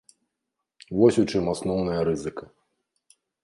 Вось у чым асноўная рызыка.